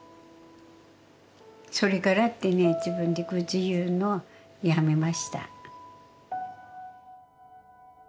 それからってね自分で愚痴言うのやめました。